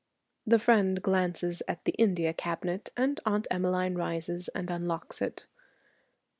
"' The friend glances at the India cabinet, and Aunt Emmeline rises and unlocks it.